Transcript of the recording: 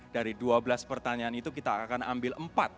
dari dua belas pertanyaan itu kita akan ambil empat